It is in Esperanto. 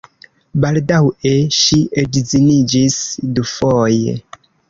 Baldaŭe ŝi edziniĝis dufoje.